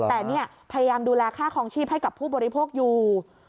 แต่เนี่ยพยายามดูแลค่าคลองชีพให้กับผู้บริโภคอยู่